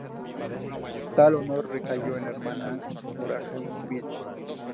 Tal honor recayó en la hermana Maruja Vilches.